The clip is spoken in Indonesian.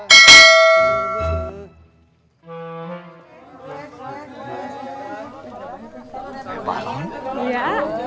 temu selebar seperti si freshmiya